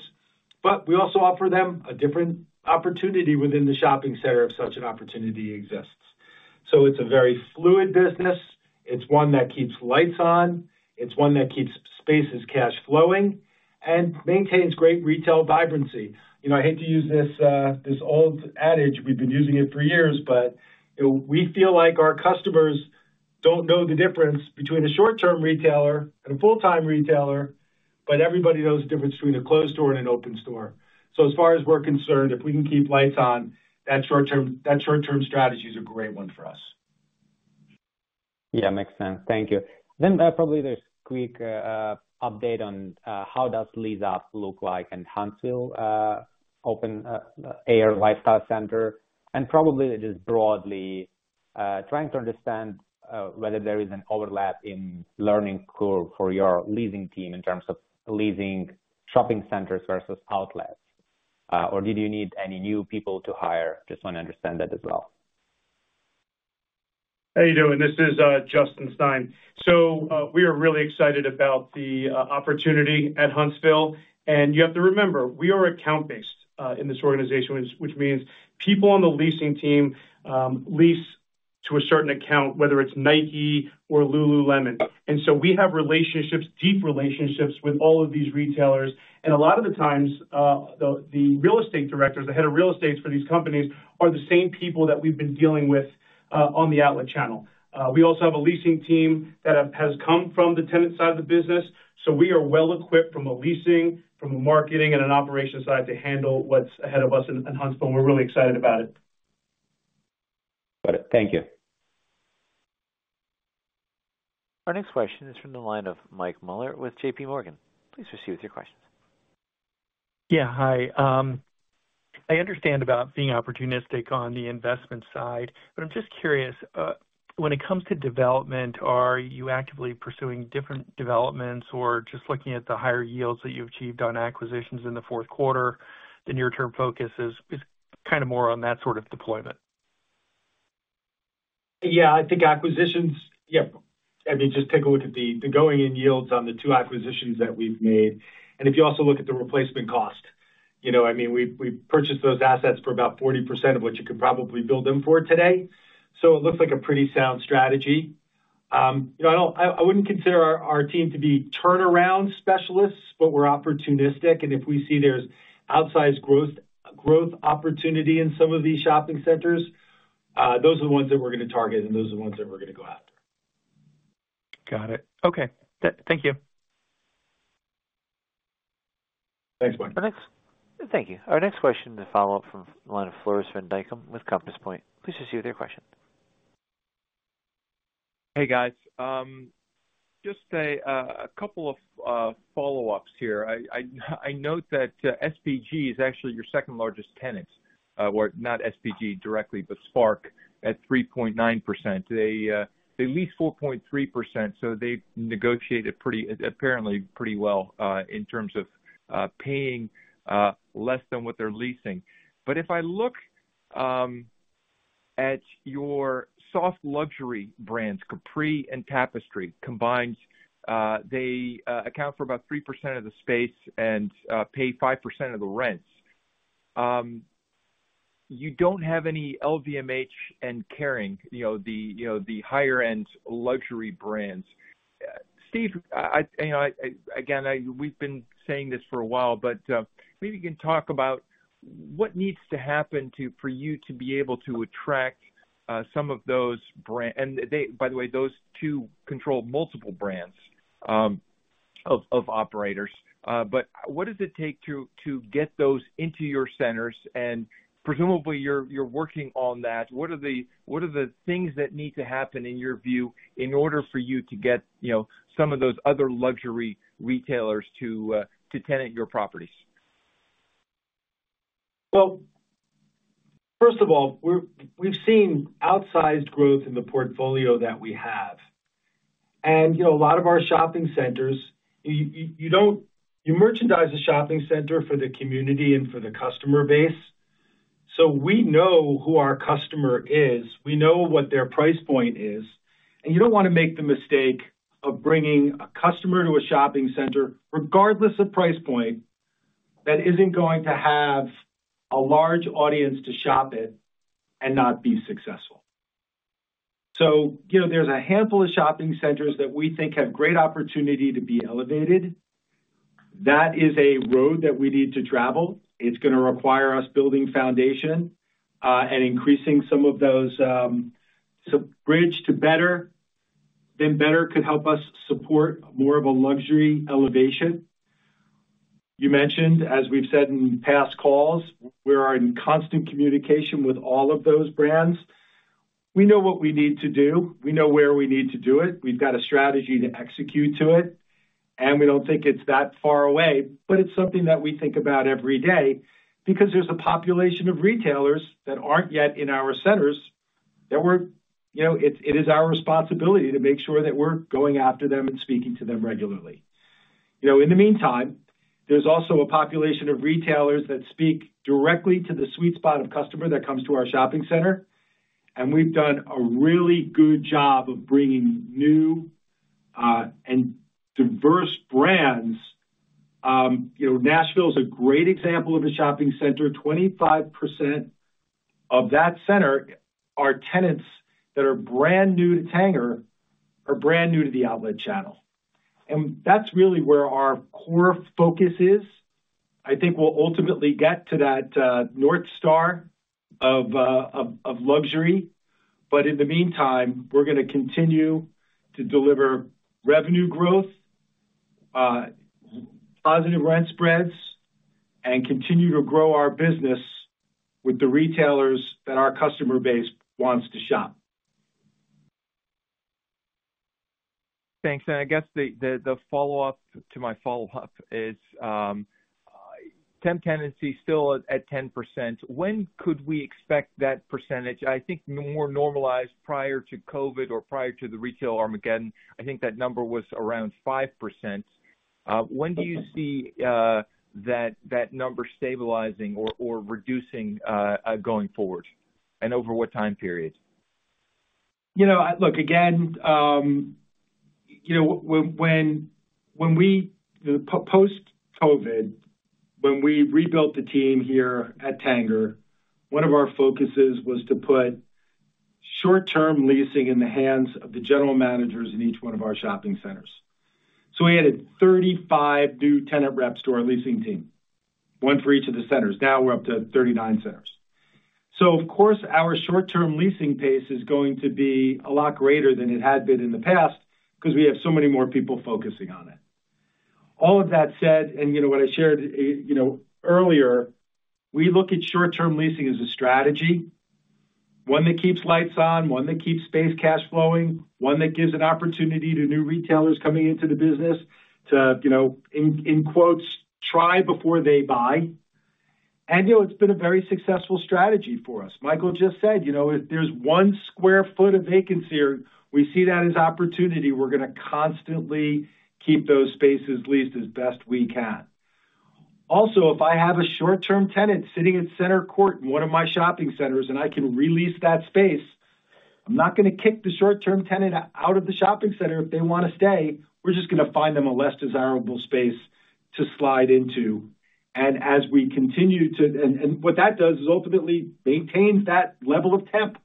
but we also offer them a different opportunity within the shopping center if such an opportunity exists. So it's a very fluid business. It's one that keeps lights on. It's one that keeps spaces cash flowing and maintains great retail vibrancy. I hate to use this old adage. We've been using it for years, but we feel like our customers don't know the difference between a short-term retailer and a full-time retailer, but everybody knows the difference between a closed store and an open store. So as far as we're concerned, if we can keep lights on, that short-term strategy is a great one for us. Yeah. Makes sense. Thank you. Then probably there's a quick update on how does lease-up look like in Huntsville open-air lifestyle center? And probably just broadly trying to understand whether there is an overlap in learning curve for your leasing team in terms of leasing shopping centers versus outlets, or did you need any new people to hire? Just want to understand that as well. How you doing? This is Justin Stein. So we are really excited about the opportunity at Huntsville. And you have to remember, we are account-based in this organization, which means people on the leasing team lease to a certain account, whether it's Nike or Lululemon. And so we have relationships, deep relationships, with all of these retailers. And a lot of the times, the real estate directors, the head of real estates for these companies, are the same people that we've been dealing with on the outlet channel. We also have a leasing team that has come from the tenant side of the business. So we are well-equipped from a leasing, from a marketing, and an operations side to handle what's ahead of us in Huntsville. We're really excited about it. Got it. Thank you. Our next question is from the line of Mike Mueller with J.P. Morgan. Please proceed with your questions. Yeah. Hi. I understand about being opportunistic on the investment side, but I'm just curious. When it comes to development, are you actively pursuing different developments or just looking at the higher yields that you've achieved on acquisitions in the fourth quarter? The near-term focus is kind of more on that sort of deployment. Yeah. I think acquisitions, yeah. I mean, just take a look at the going-in yields on the two acquisitions that we've made. And if you also look at the replacement cost, I mean, we purchased those assets for about 40% of what you could probably build them for today. So it looks like a pretty sound strategy. I wouldn't consider our team to be turnaround specialists, but we're opportunistic. And if we see there's outsized growth opportunity in some of these shopping centers, those are the ones that we're going to target, and those are the ones that we're going to go after. Got it. Okay. Thank you. Thanks, Mike. Thanks. Thank you. Our next question is a follow-up from the line of Floris van Dijkum with Compass Point. Please just share with your question. Hey, guys. Just a couple of follow-ups here. I note that SPG is actually your second-largest tenant, not SPG directly, but SPARC at 3.9%. They lease 4.3%, so they negotiate apparently pretty well in terms of paying less than what they're leasing. But if I look at your soft luxury brands, Capri and Tapestry, combined, they account for about 3% of the space and pay 5% of the rents. You don't have any LVMH and Kering, the higher-end luxury brands. Steve, again, we've been saying this for a while, but maybe you can talk about what needs to happen for you to be able to attract some of those brands and by the way, those two control multiple brands of operators. But what does it take to get those into your centers? And presumably, you're working on that. What are the things that need to happen, in your view, in order for you to get some of those other luxury retailers to tenant your properties? Well, first of all, we've seen outsized growth in the portfolio that we have. And a lot of our shopping centers, you merchandise a shopping center for the community and for the customer base. So we know who our customer is. We know what their price point is. And you don't want to make the mistake of bringing a customer to a shopping center, regardless of price point, that isn't going to have a large audience to shop it and not be successful. So there's a handful of shopping centers that we think have great opportunity to be elevated. That is a road that we need to travel. It's going to require us building foundation and increasing some of those Bridge to Better. Then better could help us support more of a luxury elevation. You mentioned, as we've said in past calls, we're in constant communication with all of those brands. We know what we need to do. We know where we need to do it. We've got a strategy to execute to it. And we don't think it's that far away, but it's something that we think about every day because there's a population of retailers that aren't yet in our centers that it is our responsibility to make sure that we're going after them and speaking to them regularly. In the meantime, there's also a population of retailers that speak directly to the sweet spot of customer that comes to our shopping center. And we've done a really good job of bringing new and diverse brands. Nashville is a great example of a shopping center. 25% of that center are tenants that are brand new to Tanger or brand new to the outlet channel. That's really where our core focus is. I think we'll ultimately get to that North Star of luxury. But in the meantime, we're going to continue to deliver revenue growth, positive rent spreads, and continue to grow our business with the retailers that our customer base wants to shop. Thanks. I guess the follow-up to my follow-up is temp tenancy still at 10%. When could we expect that percentage? I think more normalized prior to COVID or prior to the retail Armageddon, I think that number was around 5%. When do you see that number stabilizing or reducing going forward, and over what time period? Look, again, when we post-COVID, when we rebuilt the team here at Tanger, one of our focuses was to put short-term leasing in the hands of the general managers in each one of our shopping centers. So we added 35 new tenant rep store leasing teams, one for each of the centers. Now we're up to 39 centers. So of course, our short-term leasing pace is going to be a lot greater than it had been in the past because we have so many more people focusing on it. All of that said, and what I shared earlier, we look at short-term leasing as a strategy, one that keeps lights on, one that keeps space cash flowing, one that gives an opportunity to new retailers coming into the business to, in quotes, "try before they buy." And it's been a very successful strategy for us. Michael just said, "If there's 1 sq ft of vacancy or we see that as opportunity, we're going to constantly keep those spaces leased as best we can." Also, if I have a short-term tenant sitting at Center Court in one of my shopping centers and I can release that space, I'm not going to kick the short-term tenant out of the shopping center if they want to stay. We're just going to find them a less desirable space to slide into. And as we continue to, what that does is ultimately maintains that level of temp.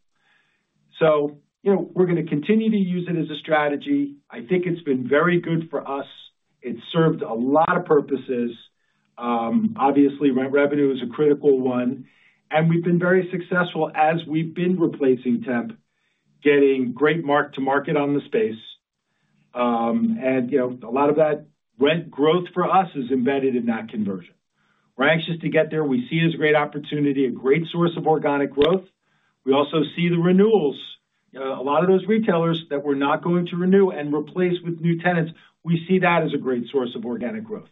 So we're going to continue to use it as a strategy. I think it's been very good for us. It's served a lot of purposes. Obviously, rent revenue is a critical one. And we've been very successful as we've been replacing temp, getting great mark-to-market on the space. A lot of that rent growth for us is embedded in that conversion. We're anxious to get there. We see it as a great opportunity, a great source of organic growth. We also see the renewals. A lot of those retailers that we're not going to renew and replace with new tenants, we see that as a great source of organic growth.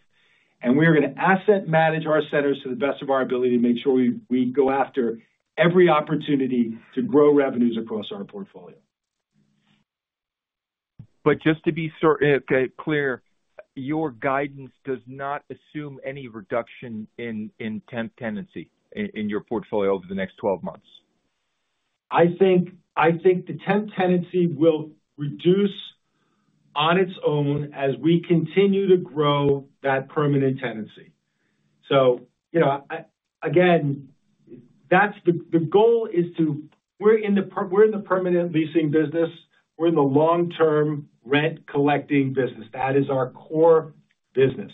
And we are going to asset manage our centers to the best of our ability to make sure we go after every opportunity to grow revenues across our portfolio. But just to be clear, your guidance does not assume any reduction in temp tenancy in your portfolio over the next 12 months? I think the temp tenancy will reduce on its own as we continue to grow that permanent tenancy. So again, the goal is to we're in the permanent leasing business. We're in the long-term rent collecting business. That is our core business.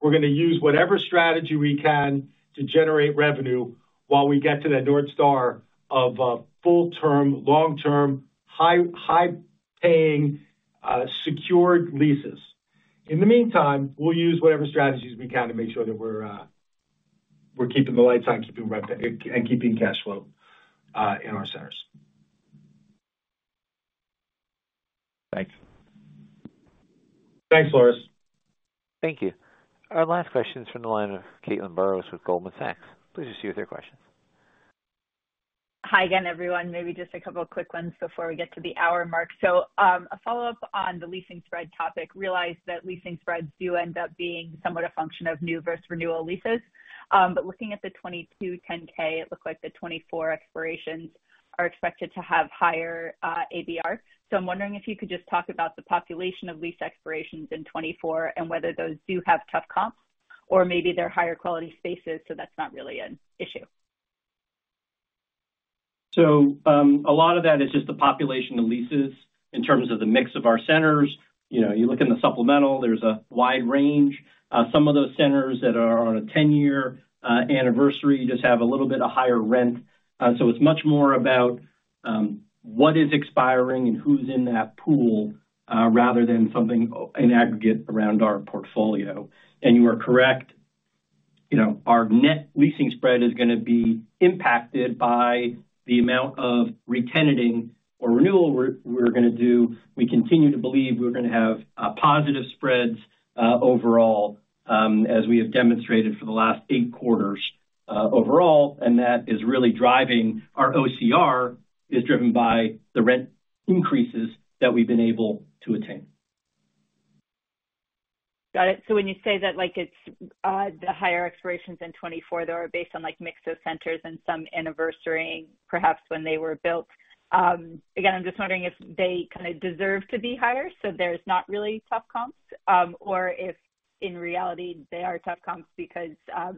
We're going to use whatever strategy we can to generate revenue while we get to that North Star of full-term, long-term, high-paying, secured leases. In the meantime, we'll use whatever strategies we can to make sure that we're keeping the lights on, keeping rent, and keeping cash flow in our centers. Thanks. Thanks, Floris. Thank you. Our last question is from the line of Caitlin Burrows with Goldman Sachs. Please just share with your questions. Hi again, everyone. Maybe just a couple of quick ones before we get to the hour mark. So a follow-up on the leasing spread topic. Realize that leasing spreads do end up being somewhat a function of new versus renewal leases. But looking at the 10-K, it looked like the 2024 expirations are expected to have higher ABR. So I'm wondering if you could just talk about the population of lease expirations in 2024 and whether those do have tough comps or maybe they're higher-quality spaces, so that's not really an issue. So a lot of that is just the population of leases in terms of the mix of our centers. You look in the supplemental. There's a wide range. Some of those centers that are on a 10-year anniversary just have a little bit of higher rent. So it's much more about what is expiring and who's in that pool rather than something in aggregate around our portfolio. And you are correct. Our net leasing spread is going to be impacted by the amount of re-tenanting or renewal we're going to do. We continue to believe we're going to have positive spreads overall as we have demonstrated for the last eight quarters overall. And that is really driving our OCR, is driven by the rent increases that we've been able to attain. Got it. So when you say that the higher expirations in 2024, they're based on mix of centers and some anniversary, perhaps, when they were built. Again, I'm just wondering if they kind of deserve to be higher, so there's not really tough comps, or if in reality, they are tough comps because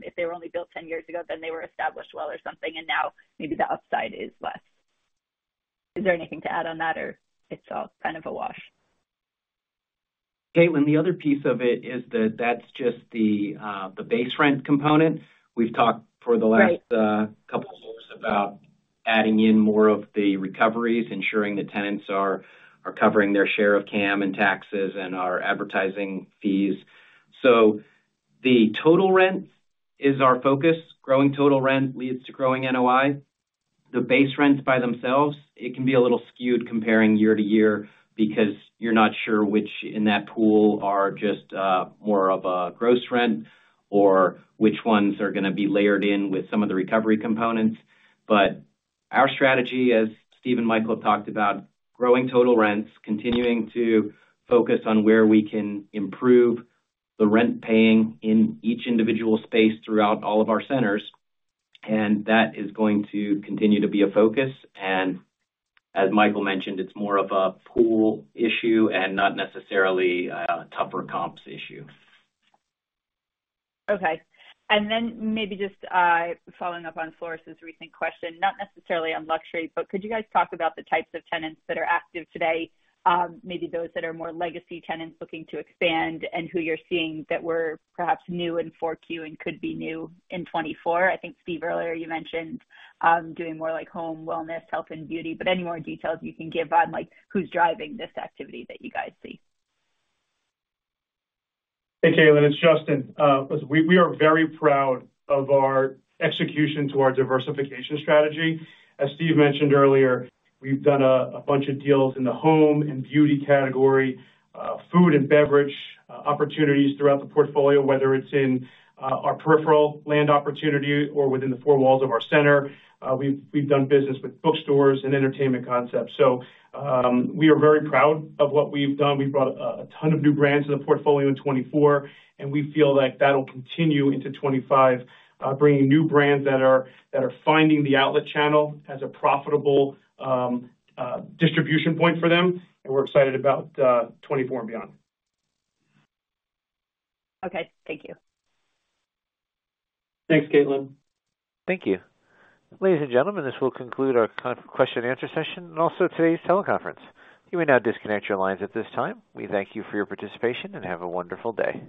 if they were only built 10 years ago, then they were established well or something, and now maybe the upside is less. Is there anything to add on that, or it's all kind of a wash? Caitlin, the other piece of it is that that's just the base rent component. We've talked for the last couple of years about adding in more of the recoveries, ensuring that tenants are covering their share of CAM and taxes and our advertising fees. So the total rent is our focus. Growing total rent leads to growing NOI. The base rents by themselves, it can be a little skewed comparing year to year because you're not sure which in that pool are just more of a gross rent or which ones are going to be layered in with some of the recovery components. But our strategy, as Steve and Michael have talked about, growing total rents, continuing to focus on where we can improve the rent paying in each individual space throughout all of our centers. And that is going to continue to be a focus. As Michael mentioned, it's more of a pool issue and not necessarily a tougher comps issue. Okay. And then maybe just following up on Floris's recent question, not necessarily on luxury, but could you guys talk about the types of tenants that are active today, maybe those that are more legacy tenants looking to expand, and who you're seeing that were perhaps new in 4Q and could be new in 2024? I think, Steve, earlier, you mentioned doing more like home wellness, health, and beauty. But any more details you can give on who's driving this activity that you guys see? Hey, Caitlin. It's Justin. Listen, we are very proud of our execution to our diversification strategy. As Steve mentioned earlier, we've done a bunch of deals in the home and beauty category, food and beverage opportunities throughout the portfolio, whether it's in our peripheral land opportunity or within the four walls of our center. We've done business with bookstores and entertainment concepts. So we are very proud of what we've done. We've brought a ton of new brands to the portfolio in 2024, and we feel like that'll continue into 2025, bringing new brands that are finding the outlet channel as a profitable distribution point for them. And we're excited about 2024 and beyond. Okay. Thank you. Thanks, Caitlin. Thank you. Ladies and gentlemen, this will conclude our question-and-answer session and also today's teleconference. You may now disconnect your lines at this time. We thank you for your participation and have a wonderful day.